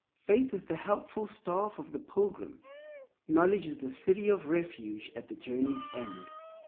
Faith is the helpful staff of the pilgrim; knowledge is the City of Refuge at the journey's end.